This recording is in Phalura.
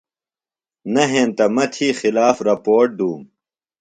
نہ ہینتہ مہ تھی خلاف رپوٹ دُوم۔